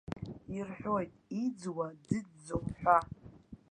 Ирҳәоит, иӡуа дыӡӡом ҳәа.